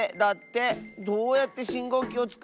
どうやってしんごうきをつくるんだろう？